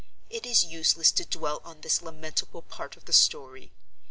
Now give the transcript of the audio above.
It is useless to dwell on this lamentable part of the story.